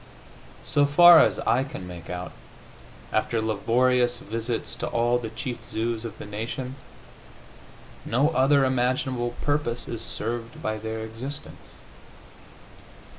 So far as I can make out, after laborious visits to all the chief zoos of the nation, no other imaginable purpose is served by their existence.